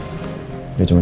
kalau mas inget